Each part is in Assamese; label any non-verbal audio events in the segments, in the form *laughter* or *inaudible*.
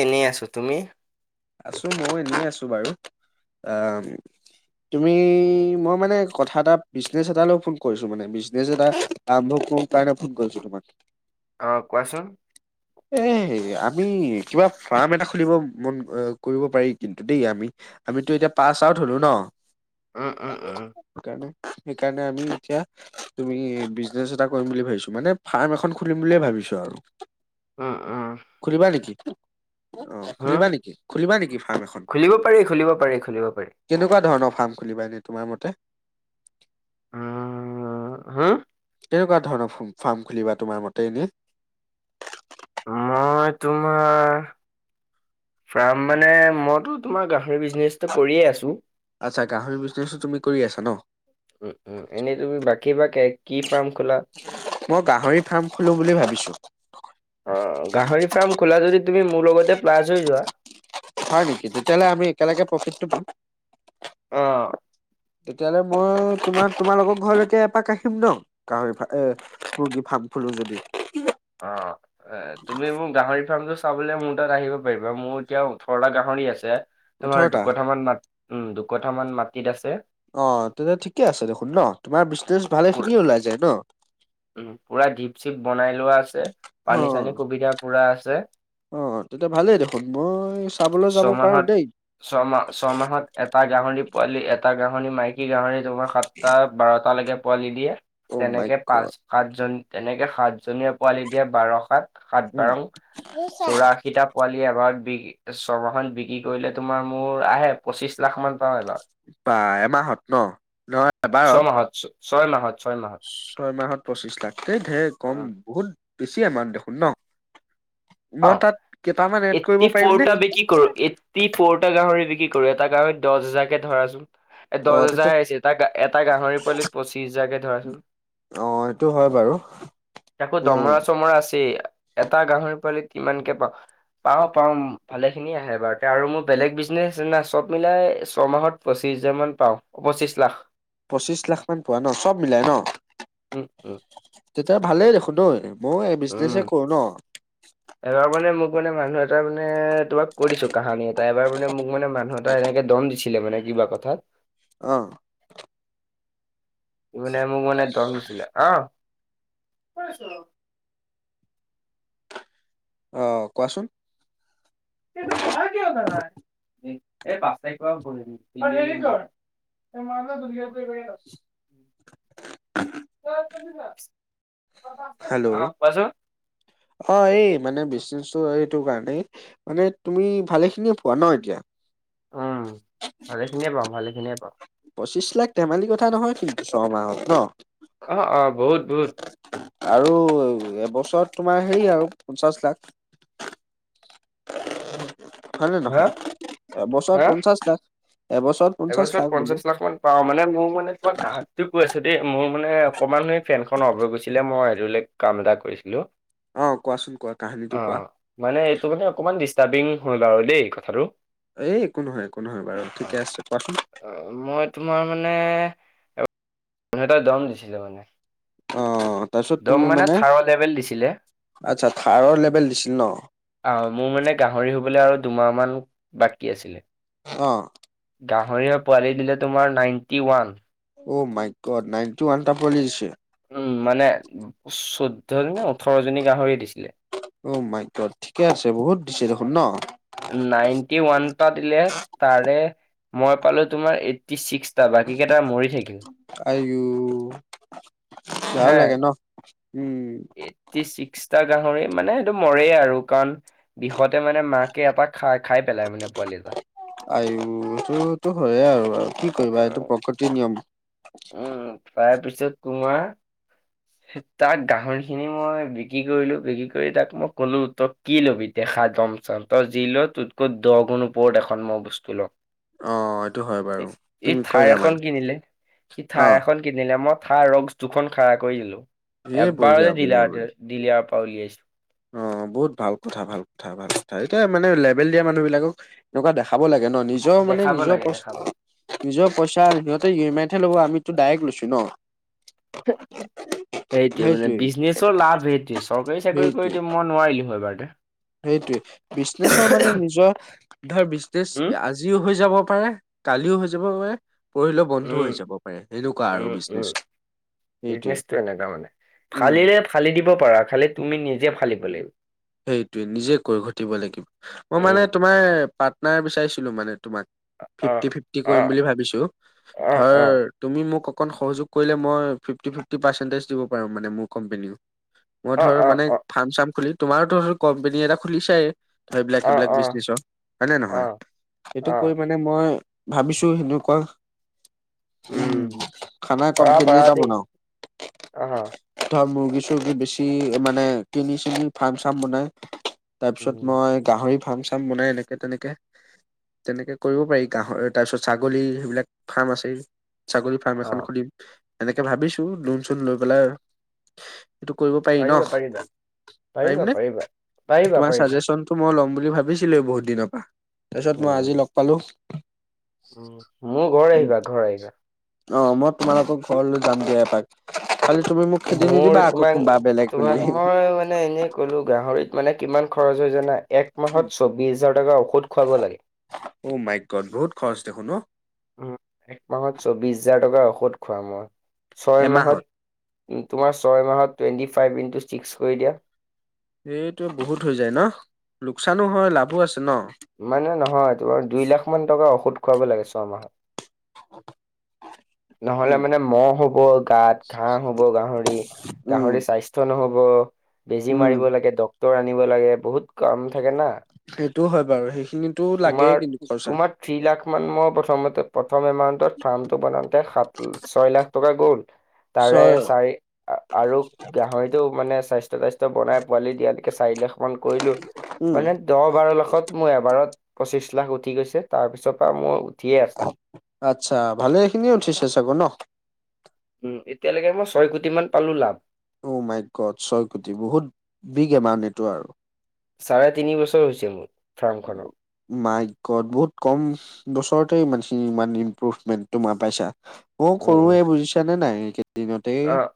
এনেই আছোঁ, তুমি? আছো, মইও এনেই আছো বাৰু আম তুমি, মই মানে কথা এটা, বিজনেছ এটালৈ ফোন কৰিছো মানে, বিজনেছ এটা আৰম্ভ কৰোঁ কাৰণে ফোন কৰিছো তোমাক। অ', কোৱাচোন। এই আমি কিবা ফাৰ্ম এটা খুলিব মন অ', কৰিব পাৰি কিন্তু দেই আমি আমিতো এতিয়া পাছ আউট হলো ন। উম, উম, উ সেইকাৰণে, সেইকাৰণে, আমি এতিয়া তুমি বিজনেছ এটা কৰিম বুলি ভাবিছো, মানে ফাৰ্ম এখন খুলিম বুলিয়ে ভাবিছো আৰু অ', অ', খুলিবা নেকি? অ', হম খুলিবা নেকি, খুলিবা নেকি ফাৰ্ম এখন? খুলিব পাৰি খুলিব পাৰি খুলিব পাৰি কেনেকুৱা ধৰণৰ ফাৰ্ম খুলিবা, এনে তোমাৰ মতে? অ', হা কেনেকুৱা ধৰণৰ ফম ফাৰ্ম খুলিবা তোমাৰ মতে এনে- মই তোমাৰ- ফাম মানে মইতো তোমাৰ গাহৰি বিজনেছ- আচ্ছা গাহৰি বিজনেছো তুমি কৰি আছা ন। উমঁ উমঁ এনেই তুমি বাকী বা কি ফাৰ্ম খোলা? মই গাহৰি ফাৰৰ্ম খোলোঁ বুলি ভাবিছোঁ অঁ গাহৰি ফাৰ্ম খোলা যদি তুমি মোৰ লগতে প্লাছ হৈ যোৱা। হয়ঁ নেকি তেতিয়াহলে আমি একেলগে প্ৰফিচটো পাম। অঁ! তেতিয়াহ'লে মই তোমাৰ তোমাৰলোকৰ ঘৰলৈকে এপাক আহিম ন। গাহৰি এ সগী ফাম ফুলো যদি। অঁ! এ তুমি মোক গাহৰি ফাৰ্মটো চাবলে মোৰ তাত আহিব পাৰিবা মোৰ এতিয়া ওঠৰটা গাহৰি আছে। তোমাৰ ওঠৰটা দুকঠামান মাট উমঁ দুকঠামান মাটিত আছে- অঁ তেনে ঠিকে আছে দেখোন ন তোমাৰ বিজনেচ ভালে খিনি ওলাই যায় ন। উমঁ পুৰা গিপ চিপ বনাই লোৱা আছে পানী চানী সুবিধা পুৰা আছে। অঁ তেতিয়া ভালেই দেখোন মই- চাবলৈ যাব পাৰো ছমাহত দেই ছমাহ ছমাহত- এটা গাহৰি পোৱালি এটা গাহৰি মাইকী গাহৰি তোমাক সাতটা বাৰটালৈকে পোৱালি দিয়ে- অ মাই তেনেকে পাঁচ গড সাতজন তেনেকে সাতজনীয়ে পোৱালি দিয়ে বাৰ সাত- সাত বাৰং চৌৰাশীটা- পোৱালি এবাৰ বিক ছমাহখন বিক্ৰী কৰিলে তোমাৰ মোৰ আহে পঁচিশ লাখ মান পাওঁ এবাৰ- বা এমাহত ন নহয় এবাৰত- ছমাহত ছয় মাহত- ছয় মাহত ছয় মাহত পঁচিশ লাখ এই ঢেৰ কম অ', বহুত বেছি এমাউণ্ট দেখোন ন। মই পাওঁ। তাত কেইটামান এড কৰিব পাৰিমনে? পি ফ'ৰটা গাহৰি বিক্ৰী কৰে এটা গাহৰিত দহ হাজজাৰ কে ধৰাচোন- এ অ দহ তেতিয়া হাজাৰ আছে এটা এটা গাহৰি পোৱালিত পঁচিছ হাজাৰ কে ধৰাচোন- অ সেইটো হয় বাৰু। আকৌ উম দমৰা চমৰা আছে এটা গাহৰি পোৱালিত কিমানকে পাওঁ। পাওঁ পাওঁ ভালে খিনি আহে বাৰু আৰু মোৰ বেলেগ বিজনেচ না চব মিলাই ছমাহত- পঁচিছ হাজাৰ মান পাওঁ পঁচিশ লাখ- পঁচিশ লাখ মান পোৱা ন চব মিলাই ন উম উম তেতিয়া ভালেই দেখোন ন এনেও। মইও এই উম। বিজনেচে কৰো ন। এবাৰ মানে মোক মানে মানুহ এটা মানে তোমাক কৈ দিছো কাহানী এটা এবাৰ মানে মোক মানে মানুহ- তই এনেকে দম দিছিলে মানে কিবা কথাত- অঁ! তই মানে মোক মানে দম দ্ছিলে আহ- অঁ কোৱাচোন- সেটো পঢ়া কিয় নহাই এই পাঁচ তাৰিখৰ পৰা পঢ়িম। তই মাৰ ‌পৰা ন দুৰ্গীয়া পৰি ব- অঁ কোৱা চোন। অঁ এই মানে বিশচনেটো এইটো কাৰণেই- মানে তুমি ভালেখিনিয়ে পোৱা ন এতিয়া। উমঁ ভালে খিনিয়ে পাওঁ ভালে খিনিয়ে পাওঁ। পঁচিশ লাখ ধেমালি কথা নহয় কিন্তু ছমাহত ন। অ অ বহুত বহুত আৰু এবছৰত তোমাৰ হেৰি আৰু পঞ্চাশ লাখ। হয় নে হা নহয়, এবছৰত হা পঞ্চাশ লাখ এবছৰত পঞ্চাশ এবছৰত লাখ বোলো। পঞ্চাশ লাখ মান পাওঁ, মানে মোৰ মানে কি হ'ল কাহা তুক কৈ আছোঁ দেই, মোৰ মানে অকণমান এ ফেনখন অফ হৈ গৈছিলে, মই বেলেগ কাম এটা কৰিছিলোঁ। অ, কোৱাচোন কোৱা, কাহানীটো কোৱা? মানে এইটো মানে অকণমান ডিষ্টাৰ্বিং হ'ল আৰু দেই কথাটো। এই একো নহয়, একো নহয় বাৰু অ ঠিকে আছে, কোৱাচোন? মই তোমাৰ মানে মানুহ এটাই দম, দিছিলে মানে। অ, তাৰপিছত দম তুমি মানে থাৰ্ড লেভেল দিছিলে আচ্ছা থাৰৰ লেবেল দিছিল ন। আহ মোৰ মানে গাহৰি হবলৈ আৰু দুমাহ মান বাকী আছিলে। অ'। গাহৰি পোৱালি দিলে, তোমাৰ নাইনটি ওৱান। অ, মাই গদ নাইনটি ওৱনটা পোৱালী দিছে। উম মানে চৈধ্য জনী নে ওঠৰ জনী গাহৰিয়ে দিছিলে। অ মাই গদ ঠিকে আছে বহুত দিছে দেখোন ন। নাইনটি ওৱানটা দিলে তাৰে মই পালোঁ তোমাৰ ফৰ্তি ছিক্সটা বাকীকেইটা মৰি থাকিল। আইও বেয়া লাগে ন, উম। ফৰ্টি ছিক্সটা গাহৰি মানে সেইটো মৰেই আৰু কাৰণ বিষতে মানে মাকে এটা খাই, খাই পেলাই মানে পোৱালি এটা। আইও এইটো তো হয় আৰু আৰু কি কৰিবা, উম এইটো প্ৰকৃতিৰ নিয়ম। উম, তাৰ পিছত তুমাৰ তাক গাহৰি খিনি মই বিক্ৰী কৰিলোঁ, বিক্ৰী কৰি তাক মই কলোঁ কি ল'বি দেখা দম চম তই যি লবি তাতকৈ দহ গুণ ওপৰত এখন মই বস্তু লম। অ এইটো হয় বাৰু ই তুমি থাৰ কৰিলা এখন মানে কিনিলে, সি অ থাৰ এখন কিনিলে, মই থাৰ ৰস্ক দুখন খাৰা কৰি দিলোঁ, এ বঢ়িয়া এবাৰতে দিলে বঢ়িয়া আৰু। বঢ়িয়া দিলাৰৰ পৰা উলিয়াইছে। অ, বহুত ভাল কথা, ভাল কথা। ভাল কথা এতিয়া মানে লেভেল দিয়া মানুহ বিলাকক এনেকুৱা দেখাব লাগে ন, নিজৰ নিজৰ মানে দেখাব নিজৰ লাগে দেখাব পইচা লাগে। নিজৰ পইচা, সিহঁতে ই এম আইত হে ল'ব। আমিতো ডাইৰেক্ট লৈছোঁ ন। সেইটোৱেই মানে সেইটোৱে বিজনেচৰ লাভ সেইটোৱেই, চৰকাৰী চাকৰি কৰিলে মই নোৱাৰিলোঁ হয়, এবাৰতে। সেইটোৱেই বিজনেছৰ মানে নিজৰ ধৰ বিজনেচ উম, আজিও হৈ যাব পাৰে, কালিও হৈ যাব পাৰে। পৰহিলে বন্ধও উম, হৈ যাব পাৰে, সেনেকুৱা আৰু উম, বিজনেছ উম, সেইটোৱেই। বিজনেচটো এনেকা ফালিলে ফালি দিব পাৰা, খালি তুমি নিজে ফালিব লাগিব। সেইটোৱে নিজে কৈ ঘটিব লাগিব, মই উম। মানে তোমাৰ পাৰ্টনাৰ বিচাৰিছিলোঁ মানে। তোমাক অ', ফিফটি, ফিফটি অ', কৰিম বুলি ভাবিছোঁ। অ', অ', ধৰ তুমি মোক অকণ সহযোগ কৰিলে, মই ফিফটি, ফিফটি পাৰ্চেণ্টেজ দিব পাৰোঁ মানে মোৰ কোম্পেনীও। মই অ', ধৰ মানে অ', ফ্ৰাম, চাম খুলিম তোমাৰটো ধৰ, কোম্পনী এটা খুলিছাই। এইবিলাক, সেইবিলাক অ', বিজনেছৰ। হয়, নে, নহয় অ', সেইটো অ', কৰি মানে মই ভাবিছোঁ সেনেকুৱা। উম, খানা পাৰা কোম্পানী পাৰা এটা দেই বনাও। অ', ধৰ, মুৰ্গী, চৰ্গী বেছি মানে কিনি, চিনি ফাৰ্ম, চাৰ্ম বনাই তাৰপিছত উম, মই গাহৰি ফাৰ্ম, চাৰ্ম বনাই এনেকে, তেনেকে তেনেকে কৰিব পাৰি, গাহৰে তাৰ পিছত ছাগলী সেইবিলাক ফাৰ্ম আছেই ছাগলী ফাৰ্ম এখন অ', খুলিম এনেকে ভাবিছো লোন, চুন লৈ, পেলাই। সেইটো কৰিব পাৰি ন, পাৰিবা পাৰিবা পাৰিম পাৰিবা নে, পাৰিবা তোমাৰ পাৰিবা চাজেচন? মই ল'ম বুলি ভাবিছিলো এ বহুত দিনৰ পৰা তাৰপিছত মই আজি লগ পালো। উম, মোৰ ঘৰ আহিবা, ঘৰ আহিবা। অ, মই তোমালোকৰ ঘৰলৈ যাম দিয়া এপাক খালি তুমি মোক খেদি নিদিবা মোৰ আকৌ তোমাক, কোনোবা বেলেগ বুলি। তোমাক মই মানে এনে কলো গাহৰিত মানে কিমান খৰচ হয় জানা এক মাহত চৌবিশ হাজাৰ টকাৰ ঔষধ খোৱাব লাগে। অ' মাই গ'দ বহুত খৰচ দেখোন ও। উম, এক মাহত চৌবিশ হাজাৰ টকাৰ ঔষধ খোৱাও মই, ছয় মাহত এমাহত তোমাৰ ছয় মাহত টুৱেণ্টি ফাইভ ইণ্টু ছিক্স কৰি দিয়া। সেইটো বহুত হৈ যায় ন, লোকচানো হয় লাভো আছে ন? মানে নহয় তোমাৰ দুই লাখ মান টকা ঔষধ খুৱাব লাগে ছয় মাহত। *unintelligible* নহ'লে মানে ম'হ হ'ব, গাত ঘাঁ হ'ব, গাহৰি উম, গাহৰি স্বাস্থ্য হব বেজি উম, মাৰিব লাগে, ডক্তৰ আনিব লাগে, বহুত কাম থাকে না। সেইটোও হয় বাৰু সেইখিনিতো লাগে তোমাৰ কিন্তু খৰচা। তোমাক থ্ৰী লাখ মান মই প্ৰথম প্ৰথম এমাউন্টৰ ফাৰ্মটো বনাম। তে ছয় লাখ টকা গ'ল, তাৰে ছয় চাৰি আৰু গাহৰি টো মানে স্বাস্থ ত্বাস্থ্য বনাই পোৱালি দিয়ালৈকে চাৰি লাখ মান কৰিলো উম, মানে দহ বাৰ লাখত মোৰ এবাৰত পঁচিশ লাখ উঠি গৈছে, তাৰপিছৰ পৰা মই উঠিয়ে আ আচ্ছা ভালে এই খিনি উঠি চে চাগৌ ন? উম এতিয়ালৈকে মই ছয় কোটি মান পালো লাভ। অ' মাই গ'দ, ছয় কোটি বহুত বিগ ইমাউণ্ট এইটো আৰু। চাৰে তিনি বছৰ হৈছে মোৰ ফাৰ্ম খনৰ। মাই গ'দ, বহুত কম বছৰতে মানে সি ইমান ইম্প্ৰুভমেন্ট তোমাৰ পাইছা। মই উম, উম, কৰোৱে বুজিছা নে নাই? এইকেইদিনতে অ'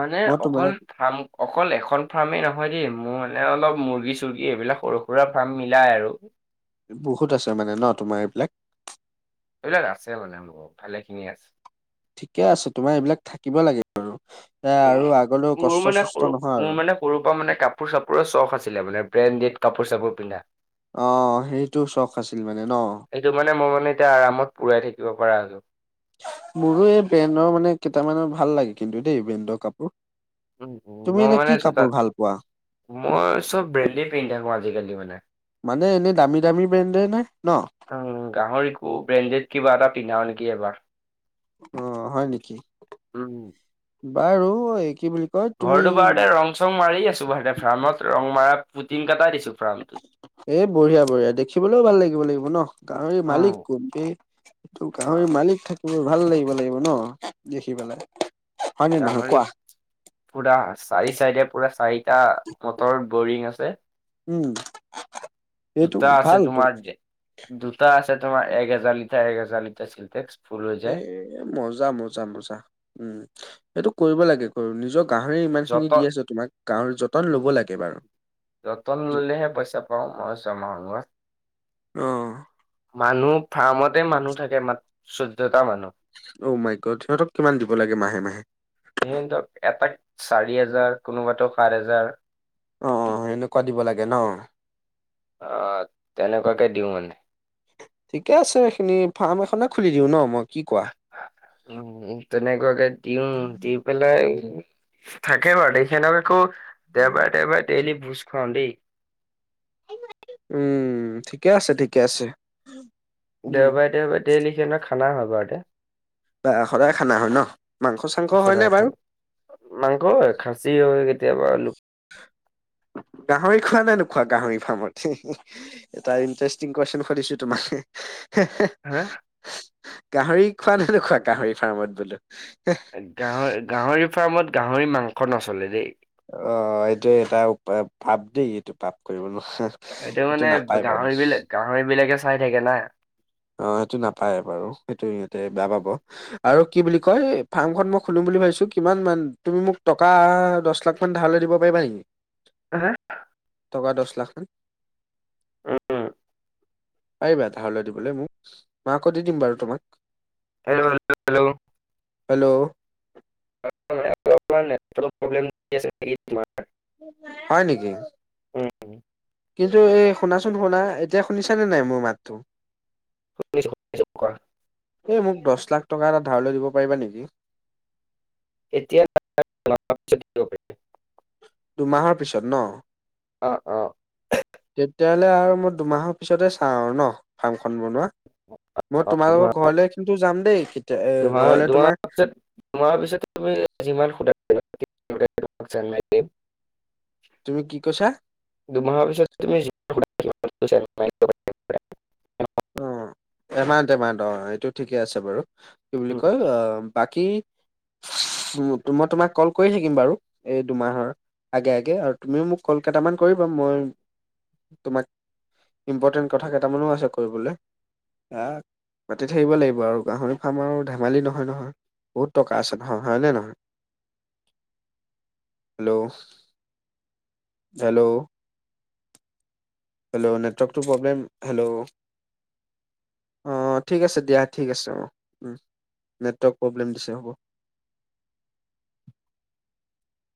মানে মই অকল তোমালোক ফ্ৰাম অকল এখন ফাৰ্মেই নহয় দেই, মোৰ মানে অলপ মুৰ্গী চৰ্গী এইবিলাক সৰু সুৰা ফাৰ্ম মিলাই আৰু। বহুত আছে মানে ন তোমাৰ এইবিলাক? এইবিলাক আছে মানে মোৰ, ভালে খিনিয় আছে। ঠিকে আছে, তোমাৰ এইবিলাক থাকিব লাগে আৰু, এ উম, আৰু আগলৈও মোৰ কষ্ট মানে সৰু চষ্ট নহয় মোৰ আৰু। মানে সৰুৰ পৰা মানে কাপোৰ চাপোৰৰ চখ আছিলে মানে, ব্ৰেণ্ডেড কাপোৰ চাপোৰ পিন্ধা। অ' সেইটো চখ আছিল মানে ন? সেইটো মানে মই মানে এতিয়া আৰামত পুৰাই থাকিব পৰা হলো। মোৰো এই ব্ৰেণ্ডৰ মানে কেইটামানৰ ভাল লাগে কিন্তু দেই ব্ৰেণ্ডৰ কাপোৰ। উম, উম, তুমি মই এনে মানে কি জোতাত কাপোৰ ভাল পোৱা? মই চব ব্ৰেণ্ডয়ে পিন্ধি থাকো আজিকালি মানে। মানে এনে দামী দামী ব্ৰেণ্ডে নে ন? উম গাহৰিকো ব্ৰেণ্ডেড কিবা এটা পিন্ধাও নেকি এবাৰ। অ' হয় নেকি? উম, বাৰু এই কি বুলি কয় ঘৰটো তুমি বাৰুতে ৰং চং মাৰি আছো বাৰুতে, ফাৰ্মত ৰং মৰা পুটিং কটাই দিছো ফাৰ্মটোত। এ বঢ়িয়া, বঢ়িয়া দেখিবলৈও ভাল লাগিব লাগিব নহ, গাহৰিৰ মালিক অ', কোন বে? গাহৰি অ', মালিক থাকিব ভাল লাগিব, লাগিব নহ দেখি পেলাই। হয় নে নহয় গাহৰি কোৱা পুৰা চাৰি চাইডে পুৰা চাৰিটা মটৰ বৰিং আছে উম এইটো দুটা আছে ভালটো তোমাৰ ডে দুটা আছে তোমাৰ এক হেজাৰ লিটাৰ এক হেজাৰ লিটাৰ চেনটেক্স এ মজা, মজা, মজা উম এইটো কৰিব লাগে কৰ নিজক গাহৰিয়ে ইমান খিনি যতন দি আছে তোমাক গাহৰি যতন ল'ব লাগে বাৰু। যতন ল'লেহে পইচা পাওঁ মই ছমাহৰ মুৰত। অ মানুহ ফাৰ্মতে মানুহ থাকে মাত চৈধ্যটা মানুহ। অ মাই গ'দ, সিহঁতক কিমান দিব লাগে মাহে, মাহে? সিহঁতক এটাক চাৰি হাজাৰ, কোনোবাতো সাত হাজাৰ। অ, অ সেনেকুৱা দিব লাগে নহ। অ তেনেকুৱাকে দিও মানে। ঠিকে আছে সেইখিনি ফাৰ্ম এখনে খুলি দিওঁ নহ মই কি কোৱ উম তেনেকুৱাকে দিওঁ দি পেলাই। থাকে বাৰু *unintelligible* আকৌ দেওবাৰে দেওবাৰে ডেইলী ভোজ খুৱাও দেই। উম ঠিকে আছে ঠিকে আছে। উম দেওবাৰে, দেওবাৰে দেইলি সিহঁতৰ খানা হয় বাৰু দে বা সদায় খানা হয় নহ মাংস চাংস হয়নে সদায় বাৰু। খানা। মাংস হয় খাচী হয় কেতিয়াবা লোক গাহৰি খোৱা নোখোৱা গাহৰি ফাৰ্মত। এটা ইণ্টাৰেষ্টিং কুৱেশন সুধিছোঁ তোমাক। হা। গাহৰি খোৱা নে নোখোৱা গাহৰি ফাৰ্মত বোলো। গাহ-গাহৰি ফাৰ্মত গাহৰি মাংস নচলে দেই। অ' এইটো এটা পাপ দেই এইটো পাপ কৰিব নোৱাৰা। এইটো মানে নাপায় বাৰু। গাহৰি বিলাক গাহৰি বিলাকে চাই থাকে না। অ সেইটো নাপায় বাৰু সেইটো সিহঁতে বেয়া পাব। আৰু কি বুলি কয় ফাৰ্মখন মই খুলিম বুলি ভাৱিছো কিমান মান তুমি মোক টকা দহ লাখ ধাৰলৈ দিব পাৰিবা নেকি? *unintelligible* টকা দহ লাখ মান। উম। পাৰিবা ধাৰলৈ দিবলৈ মোক মই আকৌ দি দিম বাৰু তোমাক। Hello hello. হেল্ল' *unintelligible* হয় নেকি? উম, কিন্তু এই শুনাচোন শুনা এতিয়া শুনিছা নে নাই মোৰ মাতটো? *unintelligible* এই মোক দহ লাখ টকা এটা ধাৰলৈ দিব পাৰিবা নেকি। এতিয়া। *unintelligible* দুমাহৰ পিছত নহ। অ, অ। তেতিয়াহ'লে আৰু মই দুমাহৰ পিছতে চাওঁ আৰু নহ ফাৰ্মখন বনোৱা। মই অ ধোঁৱা তোমালোকৰ ঘৰলৈ কিন্তু যাম দেই *unintelligible* ধোঁৱা এ' ঘৰলে ধোঁৱা তোমাক। *unintelligible* তুমি কি কৈছা? দুমাহৰ পিছত তূমি *unintelligible* ও' এমা-দেমা দ এইটো ঠিকে আছে বাৰু। কি বুলি পাৰিম। কয় অ' বাকী *unintelligible* মই তোমাক কল কৰি থাকিম বাৰু এই দুমাহৰ। আগে আগে আৰু তুমিও মোক কল কেইটামান কৰিবা মই তোমাক ইম্পৰ্টেণ্ট কথা কেইটামানো আছে কৰিবলৈ আ মাতি থাকিব লাগিব আৰু গাহৰি ফাৰ্ম আৰু ধেমালি নহয় নহয় বহুত টকা আছে, হয়নে নহয়? *inaudible* Hello hello. হেল্লো' নেটৱৰ্কটো প্ৰব্লেম হেল্লো' অ' ঠিক আছে দিয়া ঠিক আছে অ' নেটৱৰ্ক প্ৰব্লেম দিছে হ'ব।